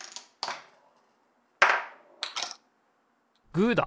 グーだ。